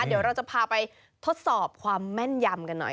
เดี๋ยวเราจะพาไปทดสอบความแม่นยำกันหน่อย